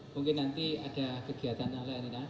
mungkin nanti ada kegiatan lain lain